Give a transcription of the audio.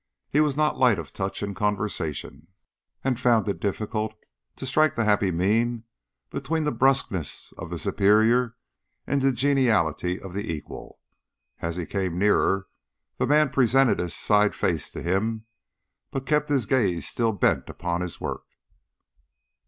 He was not light of touch in conversation, and found it difficult to strike the happy mean between the brusqueness of the superior and the geniality of the equal. As he came nearer, the man presented his side face to him, but kept his gaze still bent upon his work.